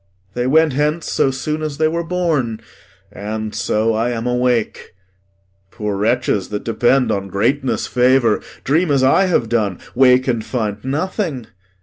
They went hence so soon as they were born. And so I am awake. Poor wretches, that depend On greatness' favour, dream as I have done; Wake and find nothing.